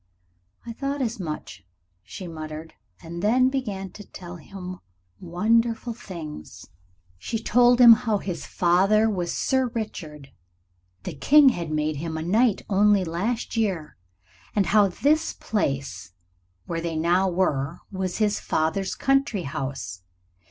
"I thought as much," she muttered, and then began to tell him wonderful things. She told him how his father was Sir Richard the King had made him a knight only last year and how this place where they now were was his father's country house.